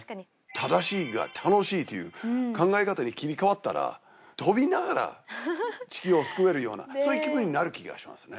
「正しい」が「楽しい」という考え方に切り替わったら跳びながら地球を救えるようなそういう気分になる気がしますね